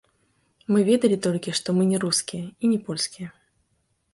Мы ведалі толькі, што мы не рускія, і не польскія.